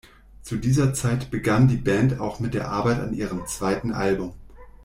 Zu dieser Zeit begann die Band auch mit der Arbeit an ihrem zweiten Album.